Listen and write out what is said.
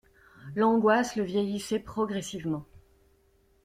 L'angoisse le vieillissait progressivement.